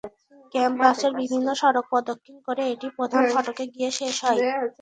ক্যাম্পাসের বিভিন্ন সড়ক প্রদক্ষিণ করে এটি প্রধান ফটকে গিয়ে শেষ হয়।